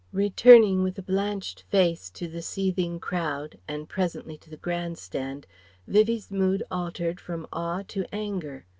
Returning with a blanched face to the seething crowd, and presently to the Grand Stand, Vivie's mood altered from awe to anger.